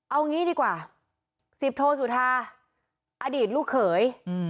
เอางี้ดีกว่าสิบโทสุธาอดีตลูกเขย